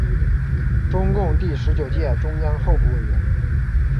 中共第十九届中央候补委员。